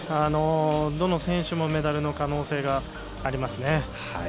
どの選手もメダルの可能性がありますね。